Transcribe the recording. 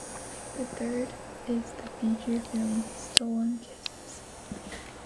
The third is the feature film "Stolen Kisses".